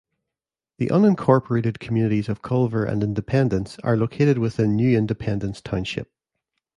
The unincorporated communities of Culver and Independence are located within New Independence Township.